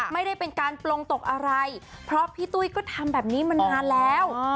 ไม่ได้เป็นการปลงตกอะไรเพราะพี่ตุ้ยก็ทำแบบนี้มานานแล้ว